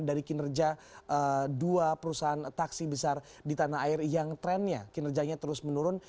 dari kinerja dua perusahaan taksi besar di tanah air yang trennya kinerjanya terus menurun